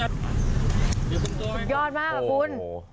ยอดมากครับคุณ